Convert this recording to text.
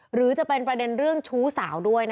หรือจะเป็นประเด็นเรื่องชู้สาวด้วย